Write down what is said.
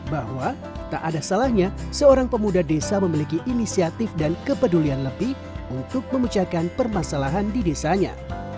bahwa tak ada salahnya seorang pemuda desa memiliki inisiatif dan kepedulian lebih untuk memecahkan permasalahan di desanya